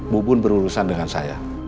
bubun berurusan dengan saya